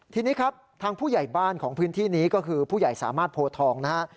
ทีนี้ครับทางผู้ใหญ่บ้านของพื้นที่นี้ก็คือผู้ใหญ่สามารถโพทองนะฮะ